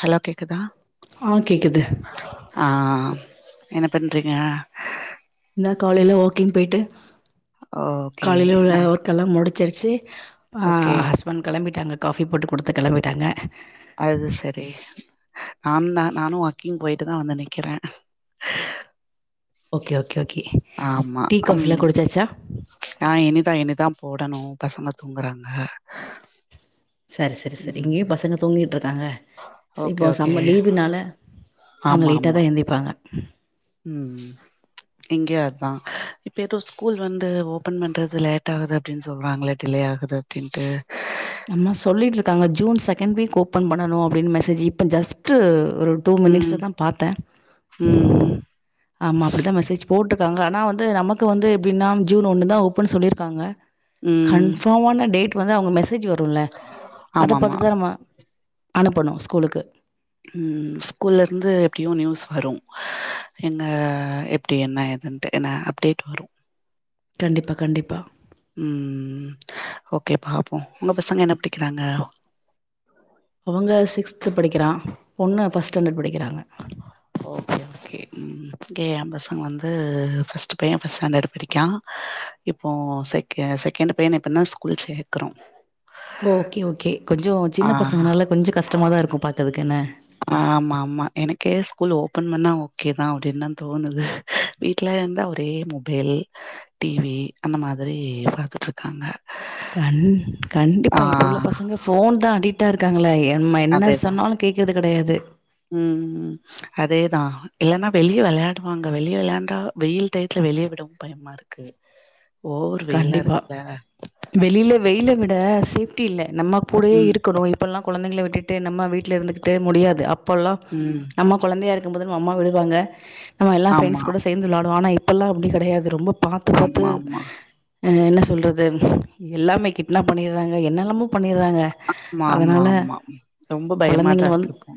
hello கேக்குதா ஆ கேக்குது ஆ என்ன பண்றீங்க நா காலைல வாக்கிங் போயிட்டு ஓகே காலையில உள்ள நா ஒர்க்கெல்லாம் முடிச் ச்சர்ச்சு ஹா ஹா ஓகே அஸ்பண்ட் கெளம்பிட்டாங்க காஃபி போட்டு குடுத்து கிளம்பிட்டாங்க அது சரி நான் நா நானும் க்கிங் போயிட்டு தான் வந்து நிக்கிறே ஓகே ஓகே ஓகே ஆமா டீ உம் காஃபிலா குடிச்சாச்சா நான் இனிதான் இனிதான் போடணும் பசங்க தூங்குறாங்க சரி சரி சரி ம் இங்கேயும் பசங்க தூங்கிட்றுகங்க சரி ஓகே இப்போது ஓகே செம்ம லீவுனால அவங்க லேட்டா தான் எந்திப்பாங்க ம் உம் இங்கதா இப்ப ஏதோ ஸ்கூல் வந்து ஓபன் பண்றது லேட் ஆகுது அப்படின்னு சொல்றாங்கள டிலே ஆகுது அப்படின்ட்டு அம்மா சொல்லிட்டு இருக்காங்க ஜூன் செகண்ட் வீக் ஓபன் பண்ணனும் அப்படின்னு மெசேஜ் இப்ப ஜஸ்ட்டு ஒரு டூ மினிட்ஸ் ம் தான் பார்த்தேன் ம் ஆமா அப்படித்தான் மெசேஜ் போட்டு காங்கனா வந்து நமக்கு வந்து எபின்னா ஜூன் ஒண்ணு தான் ஓப்பன் சொல்லிருக்காங்க ம் கன்ஃபாமான டேட் வந்து அவங்க மெசஜ் வரும் ல்ல அத ஆமா ஆமா பத்துத நம்மா அனுப்பணு ஸ்கூலுக்கு வரும் எங்க எப்டி என்ன ஏதுன்ட்டு என்ன அப்டேட் வரும் கண்டிப்பா கண்டிப்பா ம் ஓகே பாபோம் உங்க பசங்க என்ன படிக்கிறாங்க அவங்க சிக்ஸ்து படிக்கிறா பொண்ணு ஃபஸ்ட் ஸ்டாண்டர்ட் படிக்கிறாங்க ஓகே ஓகே எபசங்க வந்து பஸ்டு பைய பாஸ்டாண்டடு படிகா இப்போ செகே செகண்டு பைய இப்பனா ஸ்கூல் சேக்கூரோ ஓகே ஓகே கொஞ்சம் சின்ன பசங்கனால கொஞ்சம் கஷ்டமா தான் இருக்கும் பாகறதுக்கு என ஆமா ஆமா எனக்கே ஸ்கூல் ஓபன் பண்ணா ஓகே தான் அப்படின்னு தா தோணுது வீட்ல இருந்து ஒரே மொபைல் டிவி அந்த மாதிரி பாத்துட்டு இருக்காங்க கண் கண்டிப்பா இப்ப உள்ள பசங்க போன் தான் அடிட் எட்ட இருங்கலா அதேதான் உம் அதேதான் இல்லனா வெளியே விளையாடுவாங்க வெளியே விளையாண்டா வெயில் டயத்துல வெளிய விடவும் பயமா இருக்கு ஓவர் வெயிலா கண்டிப்பா இருக்குல வெளியில வெயில விட்டு லா சேப்டி இல்ல நம்ம கூடயே ம் இருக்கணும் இப்பெல்லாம் குழந்தைங்கள விட்டுட்டு கிட்டேநம்ம வீட்டல இருந்துக்கிட்டே முடியாது அப்ப அப்பேல்லா ம் நம்ம குழந்தையா இருக்கு பது அம்மா விடுவாங்க நம்ம எல்லாம் ஆமா ப்ரண்டஸ் கூட சேர்ந்து விளையாடுவோம் ஆன அப்பல்லாம் அப்படி கிடையாது ரொம்ப பாத்து பாத்து ஆமா ஆமா என்ன சொல்றது எல்லாமே கிட்னா பண்ணடுறாங்க என்னொமேபண்ண இருறாங்க ஆமா ஆமா அதனால ஆமா ரொம்ப குழந்தைங்க பயமாதான் இருக்கு வந்து இப்போ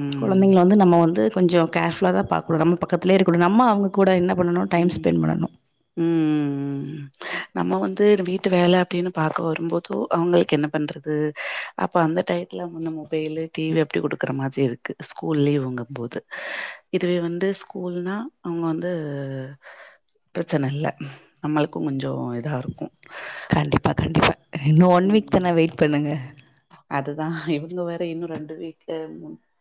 ம் குழந்தைங்க வந்து நம்ம வந்து கொஞ்சம்கேர்ஃபுலா தான் பாக்குனும் நம்ம பக்கத்தே இருக்கனும் நம அவங்க கூட என்ன பண்ணண டைம் ம் ஸ்பெண்ட் பண்ணணும் ம் நம்ம வந்து வீட்டு வேலை அப்படின்னு பார்க்க வரும்போதோ அவங்களுக்கு என்ன பண்ணுறது அப்போ அந்த டயத்தில் வந்த மொபைலு டிவி அப்படி கொடுக்குற மாதிரி இருக்குது ஸ்கூல் லீவ் வாங்கும்போது இதுவே வந்து ஸ்கூல்னால் அவங்க வந்து பிரச்சனை இல்லை நம்மளுக்கும் கொஞ்சம் இதா இருக்கும் கண்டிப்பா கண்டிப்பா இன்னும் ஒன் வீக் தானா வெயிட் பண்ணுங்க தான் இவங்க வேற இன்னும் ரெண்டு வீக்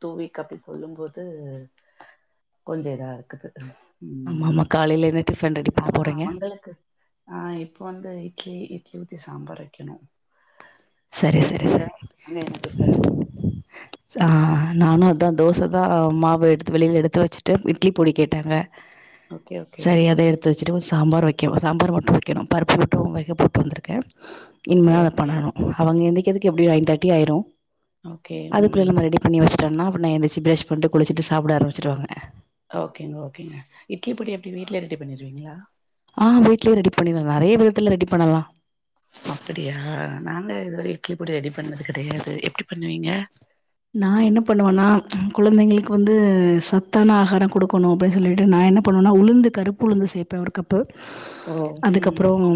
டூ வீக் அப்படி சொல்லும்போது கொஞ்சம் இதா இருக்குது ஆமா ஆமா காலையில என்ன டிஃபன் ரெடி பண்ண ஆஹ் போறீங்க உங்களுக்கு ஆஹ் இப்போ வந்து இட்லி கெல்த்தி சாம்பார் வைக்கணும் செரி செரி செரி டிஃபன் ஆஹ் நானும் அதான் தோசை தான் மா எடுத்து வெளியில எடுத்து வச்சுட்டு இட்லி பொடி கேட்டாங்க ஓகே ஓகே சரி அத எடுத்து வச்சிட்டு சாம்பார் வைக்கோம் சாம்பார் மட்டும் வைக்கணும் பருப்பு போட்டும் வெக போட்டு வந்துருக்கேன் இனிமே ஓகே அத ஓகே பண்ணணும் எந்திகிறதுக்கு எப்டியும் நையன் தேட்டி ஆயிரும் ஓகே அதுக்குள்ள ம் நம்ம ரெடி பண்ணி வச்சு விட்டேன்ன அப்றம் எந்தச்சி பிரஷ் பண்ணட்டு குளிச்சிட்டு சாப்பிட ஆம்பிச்சடுாங்க ஓகேங்க ஓகேங்க இட்லி பொடி எப்படி வீடல ரெடி பண்ணிருவீங்களா ஆ வீட்லயே ரெடி பண்ணிடலாம் நெறைய விதத்துல ரெடி பண்ணலாம் அப்படியா நாங்க இதுவரை இட்லி பொடி ரெடி பண்ணது கிடையாது எப்படி பண்ணுவீங்க நான் என்ன பண்ணுவேன்னா குழந்தைங்களுக்கு வந்து சத்தான ஆகாரம் கொடுக்கணும் அப்படின்னு சொல்லிட்டு நான் என்ன பண்ணுவேன்னா உளுந்து கருப்பு உளுந்து சேர்ப்பேன் ஒரு கப்பு ஓ ம் அதுக்கப்றம்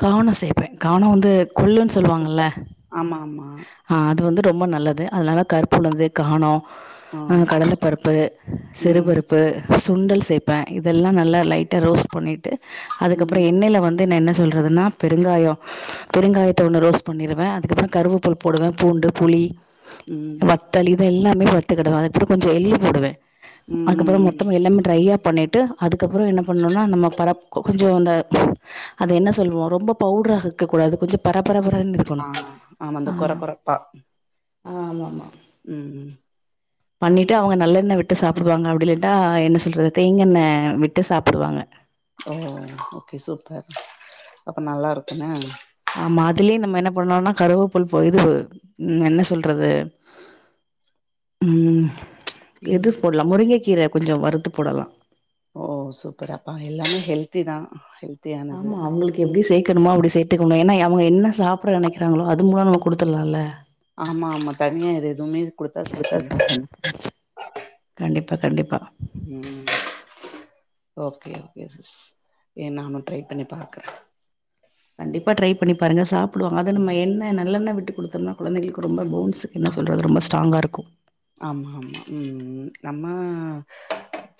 கார்னு சேப்பே கார்ன் வந்து கொள்ளுன்னு ஓ சொல்வாங்கல்ல சூப்பர் ஆமா ஆமா ஆ அது வந்து ம்ப நல்லது அதனால கருப்பு உளுந்தயே காணோ ஆ கடலப்பருப்பு சிறு ம் பருப்பு சுண்டல் சேப்பே இதெல்லா நல்லா லைட்டா ரோஸ்ட் பண்ணிட்டு அதுக்கப்றோ ம் எண்ணெயில வந் ட்ட நா என்ன சொல்றதுன்னா பெருங்காயோ பெருங்காயத்த ஒன்னு ரோஸ்ட் பண்ணிருவே அதுக்கப்பறோ கருவேப்பில் போடுவே பூண்டு புளி ம் வத்தல் இது எல்லா [unintelligible] அத கூட கொஞ்ச [unintelligible] போடுவே ம் ம் அதுக்கப்றோ ம் மொத்தமா எல்லாமே ட்ரையா பண்ணிட் ட்டு அதுக்கப்புறோ என்ன பண்ணணுனா நம்ம பரப் கொஞ்சோ அந்த [inaudible] அது என்ன சொல்வோ ரொம்ப பவுட்ரா இருக்கக்கூடாது கொஞ்ச பரபரன்னு ஆ ஆமா இந்த கொரகொரப்பா ஆ ஆமா ஆமா உம் உம் பண்ணிட்டு அவங்க நல்லெண்ண விட்டு சாப்பிடுவாங்க அப்டி இல்லட்டா என்ன சொல்றது தேங்கா எண்ண விட்டு சாப்டுவாங்க ஓ ஓகே சூப்பர் அப்ப நல்லா இருக்குண்ண ஆமா அதுலயு நம்ம என்ன பண்லான்னா கருவேப்பில் போ இது உம் என்ன சொல்றது உம் எது ம் போடலா முருங்கை கீரை கொஞ்ச வறுத்து போடலா ஓ சூப்பரப்பா எல்லாமே ஹெல்திதா ஹெல்த் ஆமா அவங்களுக்கு எப்டி செய் க்கணுமா அப்டி சேத்துக்கோங்க ஏன்னா அவங்க என்ன சாப்ட நெனைக்கிறாங்களோ அது மூலமா நம்ம குடுத்துரலாம்ல ஆமா ஆமா தனியா இது எதுவுமே குடுத்தா சாப்டணு கண்டிப்பா கண்டிப்பா உம் ஓகே ஓகே சிஸ் இது நானு ட்ரை பண்ணி பாக்குறே கண்டிப்பா ட்ரை பண்ணி பாருங்க சாப் [unintelligible] அத நம்ம எண்ணை நல்லெண்ணை விட் ட்டு குடுத்தன்னா கொழந்தைகளுக்கு ரொம்ப போன்ஸ் என்ன சொல்றது ரொம்ப ஸ்ட்ராங்கா இருக்கு ஆமா ஆமா உம் நம்ம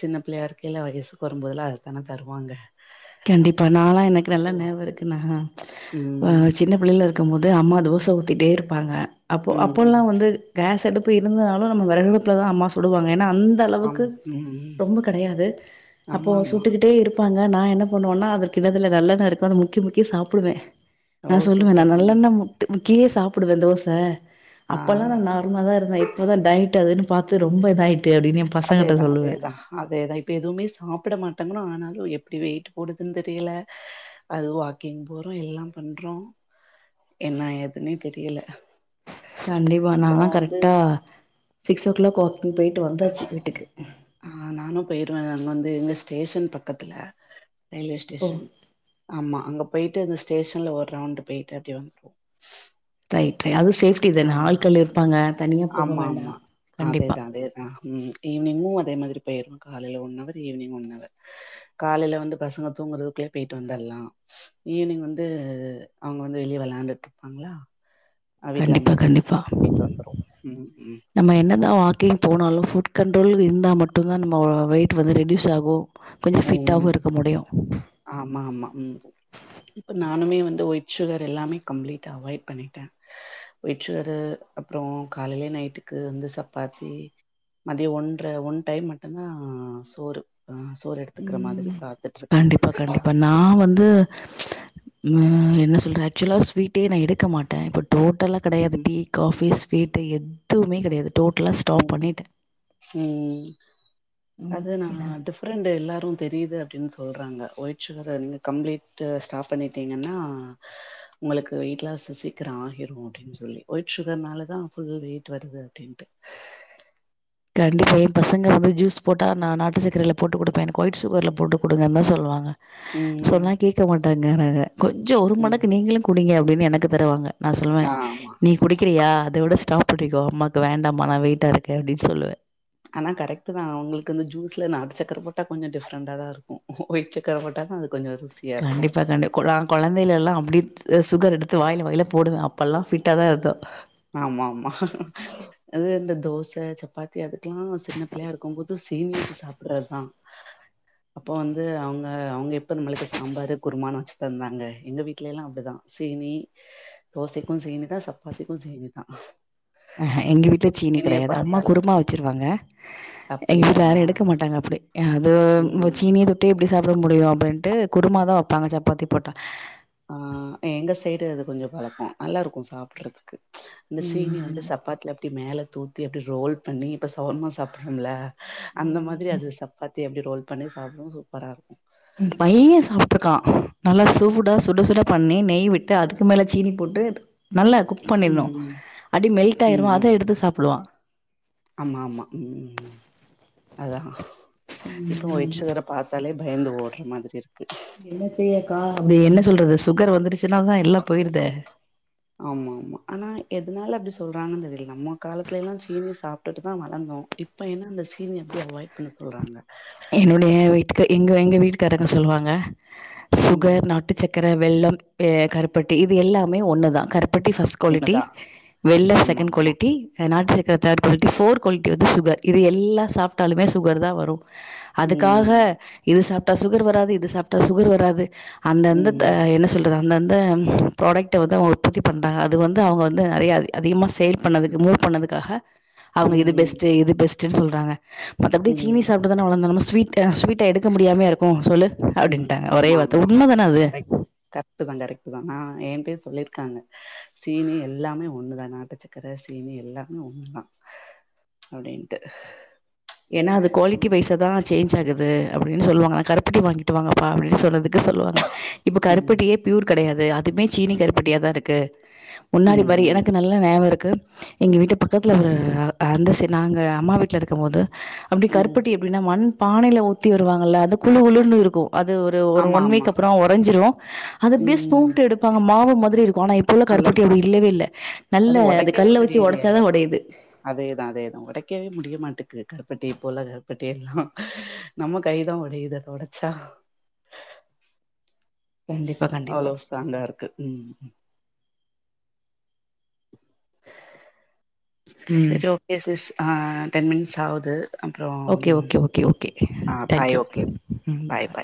சின்ன பிள்ளையா இருக்கையில வயசுக்கு வரும்போதல்லா அதத்தான தருவாங்க கண்டிப்பா நால்லா எனக்கு நல்லா நெனவு இருக்கு நா ஆ ம் சின்னப் பிள்ளைல க்கும்போது அம்மா தோசை ஊத்திட்டே இருப்பாங்க அப்போ ம் ம் அப்போல்லாம் வந்து கேஸ் அடு இப்ப இருந்தாலும் நம்ம வெரகடுப்புல தான் அம்மா சுடுவாங்க ஏன்னா அந்த அளவுக்கு ஆம் ம் ரொம்ப கெடையாது அப்போ ஆமா ஆமா சுட்டுக்கிட்டே இருப்பாங்க நான என் போண்ணோம்ன்னா அது கிண்ணத்த நல்லண்ணெருக்கும் அதை முக்கி முக்கி சாப்படுவேன் ஓ நான் சொல்லுவேன் சூப்பர் நான் ம் நல்லெண்ணெ முத் க்கிய சாப்டுவேன் தோசை ஆ அப்பல்லாம் நான நார்மலா தான் இருந்தேன் இப்தான் டயட் அதுன்னு பாத்து ரொம்ப இதாயு அதேதான் அதேதான் அதேதான் இப்ப எதுவுமே சாப்பட மாட்டாங்கன்னு ஆனாலும் எப்டி வெயிட் போடுதுனு தெரியல அது வாக்கிங் போறோம் எல்லாம் பண்றோம் என்னா ஏதுன்னே தெரியல கண்டிபா அப்போ நானா வந்து கரெக்டா சிக்ஸோ கிளாக் வாகிங் போயிட்டு வந்தாச்சு வீட்டுக்கு ஆ நானும் போயிருவேன் அங்க வந்து எங்க ஸ்டேஷன் பக்கத்துல ரயில்வே ஓ ஸ்டேஷன் ஆமா அங்க பேயிட்டு அந்த ஸ்டேஷன்ல ஒரு ரவுண்டு பேயிட்டு அப்டியே வந்தோம் ரைட் ரை அது சேஃப்டி தானே ஆள்கள் இருப்பாங்க தனியா போக வேண்டா ஆமாமா கண்டிப்பா அதேதான்அதேதான் ம் ஈவி்னிங்கும் அதே மாரி போயிட காலைல ஒன்னவர் ஈவினிங் ஒன்னவர் காலைல வந்து பசங்க தூங்குறதுக்குளயே போயிட்டு வந்துடலாம் ஈவினிங் வந்து அவங்க வந்து வெளிய விளையாண்டுட்டு இருப்பாங்களா அஹ் வீட்ல கண்டிப்பா அம்மாட்ட கண்டிப்பா சொல்லி போயிட்டு வந்துரு ம் ம் நம்ம என்னதான் வாக்கிங் போனாலும் ஃபுட் கண்ட்ரோலுக்கு இருந்தா மட்டும்தான் நம்ம வெயிட் வந்து ரெடியூஸ் ஆகும் ம் ம் ஆமா ஆமா உ இப்ப நான நானுமே வந்து ஒயிட் சுகர் எல்லாமே கம்ப்ளீட்டா அவாய்ட் பண்ணிட்டேன் ஒயிட் சுகரு அப்பறம் காலையிலே நைட்டுக்கு வந்து சப்பாத்தி மதியம் ஒன்ற ஒன் டைம் மட்டும்தான் சோறு சோறு எடுத்துக்குற மாரி ம் பாத்துட்டுருக்கேன் கண்டிப்பா கண்டிப்பா வந்து நா என்ன சொல்றேன் ஆக்சுவலா ஸ்வீட்டே நான் எடுக்க மாட்டேன் பட் டோட்டலா கெடையாது ம் டீ காஃபி ஸ்வீட்டு என் எதுமே கெடையாது டோட்டலா ஸ்டாப் ம் பண்ணிட்டே ம் ம் ஆமா அது நான ஏன்னா டிஃப்ரெண்ட் எல்லாரும் தெரியுது அப்டின்னு சொல்றாங்க ஒயிட் சுகரை நீங்க கம்ப்ளீட்டு ஸ்டாப் பண்ணிட்டீங்கன்னா உங்களுக்கு வெயிட் லாஸ்சு சீக்கிரம் ஆகிரும் சுகர்னால தான் ஃபுல் வெயிட் வருது அப்படின்ட்டு கண்டிப்பா என் பசங்க வந்து ஜூஸ் போட்டா நான் நாட்டு சக்கரைல போட்டு குடுப்பேன் எனக்கு ஒயிட் சுகர்ல போட்டுக் குடுங்கன்னு தான் சொல்வாங்க சொன்னா ம் கேக்க மாட்டாங்க கொஞ்சம் ஒரு ம் மடக்கு நீங்களும் குடிங்க அப்டின்னு எனக்கு தருவாங்க நான சொல்வேன் ஆமா நீ குடிக்கிறியா அத விட ஸ்டாப் பண்ணிக்கோ அம்மா வேண்டாமா நான வெயிட்டா இருக்கு அப்டின்னு சொல்லுவேன் ஆனா கரெக்ட் தான் அவுங்களுக்கு வந்து ஜூஸ்ல நட்டு சக்கர போட்டா கொஞ்ச டிஃப்ரெண்டா தான் இருக்கும் ஒயிட் சக்கர போட்டா தான் அதுக்கு கண்டிப்பா கண்டி குல குலந்தைங்க எல்லாம் அப்டி சுகர் எடுத்து வாயில-வாயில போடுவேன் அப்போல்லா பிட்டா தான் இருந்தோம் ஆமா-ஆமா அது இந்த தோச சப்பாத்தி அது லாம் சின்ன பிள்ளயா இருக்கும்போது சீனி வச்சு சாப்பிடறதுதான் அப்போ வந்து அவுங்க-அவுங்க எப்ப நம்மளுக்கு சாம்பாரு குருமானு வச்சு தந்தாங்க எங்க வீட்டுல எல்லாம் அப்டிதான் சீனி தோசைக்கும் சீனிதான் சப்பாத்தி [unintelligible] ஹா எங்க வீட்டுல சீனி சீனிய கிடையாது அம்மா பாத்தாலே குருமா வச்சிருவாங்க எங்க அப்டியா வீட்டுல யாரும் எடுக்க மாட்டாங்க அப்டி எ அது ம் சீனிய தொட்டே எப்டி சாப் அப்புற முடியும் அப்டின்ட்டு குருமா தான் வப்பாங்க சப்பாத்தி போட்டால் வளர்ப்போம் நல்ல இருக்கும் சாப்புறதுக்கு இந்த சீனி வந்து ம் சப்பாத்துல அப்டி மேல தூத்தி அப்டி ரோல் பண்ணி இப்ப ஷவர்மா சாப்படுறோம்ல அந்த ம் மாதிரி அது சப்பாத்தி அப்டி ரோல் பண்ணி சாப்பிடும் சூப்பரா இருக்கும் பையன் சாப்புட்டுருக்கான் நல்ல சுடா சுட-சுட பண்ணி நெய் விட்டு அதுக்கு மேல சீனி போட்டு நல்லா குக் பண்ணிர்ணு அப்டி மெல்ட் ஆயிரு அத உம்-உம்-உம்-உம் எடுத்து சாப்டுவா ஆமா-ஆமா அதான் இப்ப ஒயிட் சுகர் பாத்தாலே பயந்து ஓடுற மாதிரி இருக்குது என்ன செய்யக்கா அப்டி என்ன சொல்றது சுகர் வந்துருச்சு இதனாலதான் எல்லாம் போயிருதே ஆமா ஆமா ஆனா எதனால அப்டி சொல்கறாங்கன்னு தெரியல நம்ம காலத்துயெல்லாம் சீனி சாப்பிட்டுட்டு தான் வளந்தோ இப்ப என்னா அந்த சீனி அப்டி அவாய்ட் பண்ண சொல்றாங்க என்னுடைய வீட்டு எங்க-எங்க வீட்டுக்காரங்க சொல்லுவாங்க சுகர் ம் நாட்டுச்சக் வேற வெல்லம் கருப்பட்டி இது எல்லாமே ஒன்னது தான் கரு பட்டி பஸ்ட் குவாலிட்டி உண்மதா வெல்ல ஆமா செகண்ட் ஆமா குவாலிட்டி நாட்டு இத தேர்ட் குவாலிட்டி போர் குவாலிட்டி வது சுகர் இது எல்லாம் சாப்பிட்டாலுமே சுகர் தான் வரும் அதுக்காக ம் இது சப்ப சுகர் வராது இது சாப்பட்டா சுகர் வராது அந்தந்த ம் என்ன சொல்றது அந்தந்த அந்த ப்ராடெக்ட வந்து அவுங்க உற்பத்தி பண்ணுறாங்க அது வந்து அவுங்க வந்து நறைய அதிக-அதிகமாக செல் பண்ணதுக்கு மூவ் பண்ணதுக்காக அவுங்க இது ம் பெஸ்ட்-இது பெஸ்ட் சொல்றாங்க மத்தபடி ம் சீனிஸ் வளர் நம்ம ஸ்வீட் ஸ்வீட்ட எடுக்க முடியாம இருக்கும் சொல்லு ம் அப்டின்ட்டாங்க ஒரே ஆமா வார்த்த ஆமா உண்ம தான அது கரெக்ட் கரெக்ட் தான் கரெக்ட் தான்நான ஏன் சொல்லிருக்காங்க சீனி எல்லாமே ஒண்ணுதான் நாட்டுச்சக்கர சீனி எல்லாமே ஒண்ணுதான் அப்டின்ட்டு ஏன்னா அது குவாலிட்டி ம் வைச தான் சேஞ்ச் ஆகுது அது அப்டின்னு சொல்லாங்க நான கருப்பட்டி வாங்கிட்டு வாங்கப்பா அப்டின்னு சொன்னதுக்கு சொல்லுவாங்க இப்போ ம் கருப்பட்டியே பியூர் கெடையாது அது அதுவுமே சீனி கருப்பட்டியாக தான் இருக்கு முன்னாடி பாறி ம் எனக்கு நல்ல நேம் இருக்கு எங்க வீட்டு பக்கத்துல ஒரு அந்தச நாங்க அம்மா வீட்டல இருக்கும் போது அப்டி ம் கருப்பட்டி எப்டின்னா மண் பானையில் ஊற்றி வருவாங்கள்ல அது குழு குளுர்ன்னு இருக்கும் அது ஒரு ஒரு ஆமா ஒன் ஆமா வீக் அப்பறம் உரைஞ்சிர அதுப்டியே ம் [inaudible] எடுப்பாங்க மாவுத போனா இப்ப உள்ள நல்லா கருற்பூட்டி இருக்கு அப்டி இல்லவே இல்ல நல்ல அது ஒடைக்கவே கல்ல வச்சு முடியலையே உடைச்சாதான் உடையுது இருக்கவே முடிய மாட்டேக்குது கருப்பட்டி போல கருப்பட்டி எல்லாம் நம்ம கைதான் உடையுத தொடச்சா கண்டிப்பாக கண்டிப்பாக அவ்ளோவு ஃடாங்கா இருக்கு ம் ம் செரி ஓகே ச [inaudible] ஆ டென் மினிட்ஸ் ஆகுது ஓகே ஓகே ஓகே ஓகே ஆ தேங்க் பாய் யூ ஓகே ம் பாய் பாய்